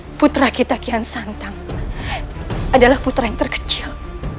karena putra kita kian santang adalah putra yang terkecil